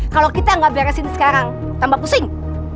kalau kita nggak beresin sekarang tambah pusing